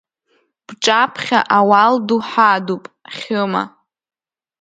Бҿаԥхьа ауал ду ҳадуп, Хьыма.